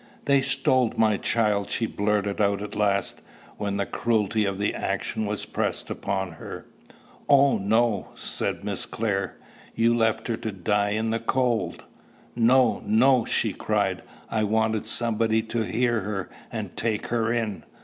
"They stole my child," she blurted out at last, when the cruelty of the action was pressed upon her. "Oh, no!" said Miss Clare: "you left her to die in the cold." "No, no!" she cried. "I wanted somebody to hear her, and take her in.